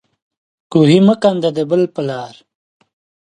کوهی مه کنده د بل په لار.